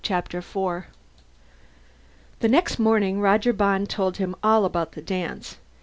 Chapter Four The next morning, Roger Bond told him all about the dance.